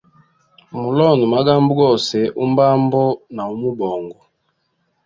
Mulonde magambo gose, umbambo na umubongo.